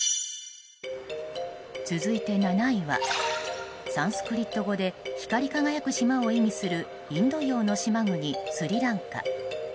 続いて７位はサンスクリット語で光り輝く島を意味するインド洋の島国、スリランカ。